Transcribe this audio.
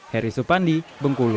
heri supandi bengkulu